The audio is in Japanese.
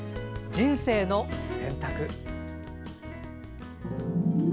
「人生の選択」。